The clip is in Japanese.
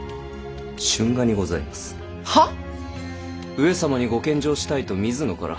上様にご献上したいと水野から。